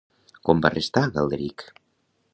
Com va restar, Galderic?